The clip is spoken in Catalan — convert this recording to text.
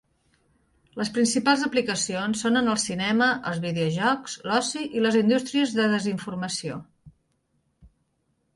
Les principals aplicacions són en el cinema, els videojocs, l'oci i les indústries de desinformació.